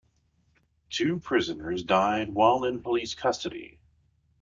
Two prisoners died while in police custody.